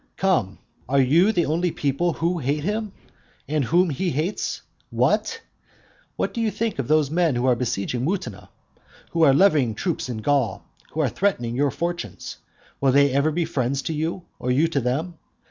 Come, are you the only people who hate him; and whom he hates? What? what do you think of those men who are besieging Mutina, who are levying troops in Gaul, who are threatening your fortunes? will they ever be friends to you, or you to them?